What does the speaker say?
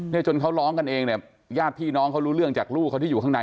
จนเขาร้องกันเองเนี่ยญาติพี่น้องเขารู้เรื่องจากลูกเขาที่อยู่ข้างใน